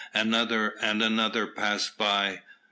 Another and another passed by.